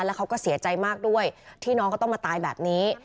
แล้วเขาก็เสียใจมากด้วยที่น้องเขาต้องมาตายแบบนี้